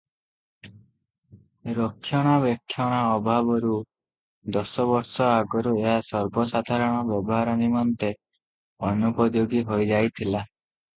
ରକ୍ଷଣାବେକ୍ଷଣା ଅଭାବରୁ ଦଶ ବର୍ଷ ଆଗରୁ ଏହା ସର୍ବସାଧାରଣ ବ୍ୟବହାର ନିମନ୍ତେ ଅନୁପଯୋଗୀ ହୋଇଯାଇଥିଲା ।